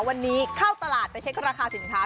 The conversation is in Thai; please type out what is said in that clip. วันนี้เข้าตลาดไปเช็คราคาสินค้า